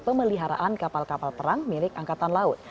pemeliharaan kapal kapal perang milik angkatan laut